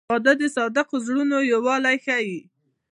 • واده د صادقو زړونو یووالی ښیي.